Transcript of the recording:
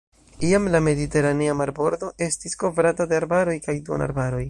Iam la mediteranea marbordo estis kovrata de arbaroj kaj duonarbaroj.